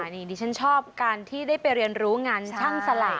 นี่ดิฉันชอบการที่ได้ไปเรียนรู้งานช่างสลาย